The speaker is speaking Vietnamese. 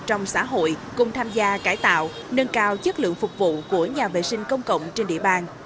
trong xã hội cùng tham gia cải tạo nâng cao chất lượng phục vụ của nhà vệ sinh công cộng trên địa bàn